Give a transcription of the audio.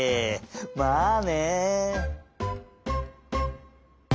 まあね！